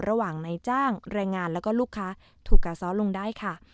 ระหว่างในจ้างแรงงานแล้วก็ลูกค้าถูกกาซ้อลงได้ค่ะ